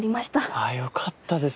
あぁよかったです。